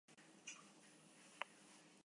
Bertan izen bereko errekak du iturria.